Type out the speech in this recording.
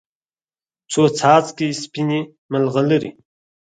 څو څاڅکي سپینې، مرغلرې